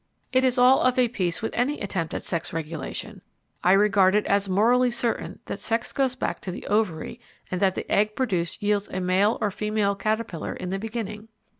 It is all of a piece with any attempt at sex regulation. I regard it as morally certain that sex goes back to the ovary and that the egg produced yields a male or female caterpillar in the beginning.